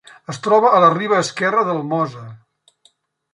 Es troba a la riba esquerra del Mosa.